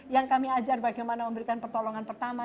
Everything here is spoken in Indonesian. yang kami ajar bagaimana memberikan pertolongan pertama